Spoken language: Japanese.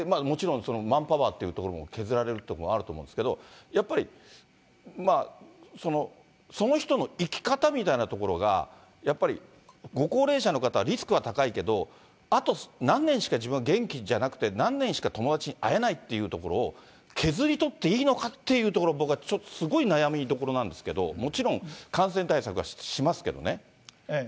もちろんマンパワーというところも削られるところもあると思うんですけど、やっぱり、その人の生き方みたいなところが、やっぱりご高齢者の方々、リスクは高いけど、あと何年しか自分は元気じゃなくて、何年しか友達に会えないというところを、削り取っていいのかっていうところ、僕はちょっと、すごい悩みどころなんですけれども、もちろん、感染対策はしますけどね。